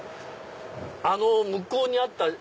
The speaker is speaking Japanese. あの向こうにあった。